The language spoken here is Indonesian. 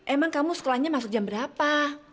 emang kamu sekolahnya masuk jam berapa